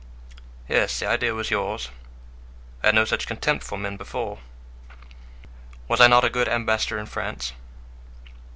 "Yes, the idea was yours. I had no such contempt for men before." "Was I not a good ambassador in France?"